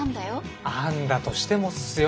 案だとしてもっすよ。